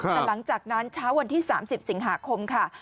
แต่หลังจากนั้นเช้าวันที่๓๐สิงหาคมค่ะ